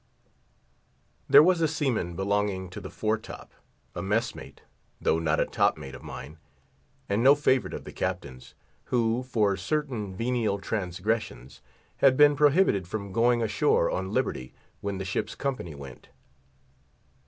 There was a seaman belonging to the fore top—a mess mate, though not a top mate of mine, and no favourite of the Captain's,—who, for certain venial transgressions, had been prohibited from going ashore on liberty when the ship's company went.